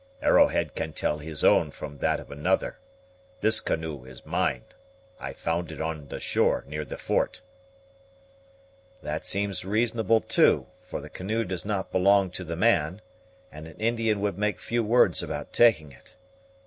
"Arrowhead can tell his own from that of another. This canoe is mine; I found it on the shore near the fort." "That sounds reasonable, too, for the canoe does belong to the man, and an Indian would make few words about taking it.